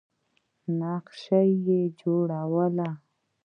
نقشې یې جوړولې.